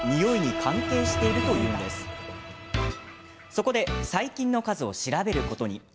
そこで、細菌の数を調べることに。